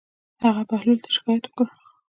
هغه بهلول ته شکايت وکړ.